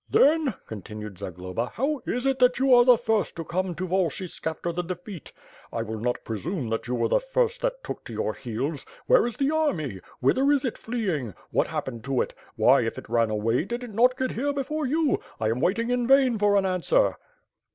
"Then," continued Zagloba, "how is it that you are the first to come to Volochysk after the defeat? I will not pre sume that you were the first that took to your heels. Where is the army? Whither is it fleeing? What happened to it? WTiy, if it ran away, did it not get here before you? I am waiting in vain for an answer!"